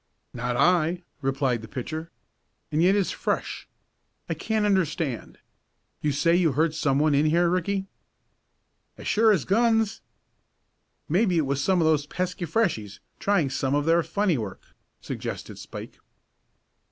"Not I," replied the pitcher. "And yet it's fresh. I can't understand. You say you heard someone in here, Ricky?" "As sure as guns." "Maybe it was some of those pesky Freshies trying some of their funny work," suggested Spike.